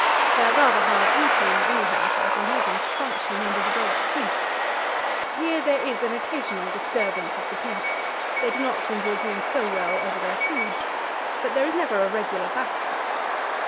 They are rather hard eating, anyhow, for I can hear them crunching under the dogs' teeth. Here there is an occasional disturbance of the peace; they do not seem to agree so well over their food, but there is never a regular battle.